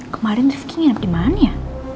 kemarin rivki nginep dimana ya